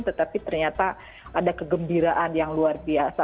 tetapi ternyata ada kegembiraan yang luar biasa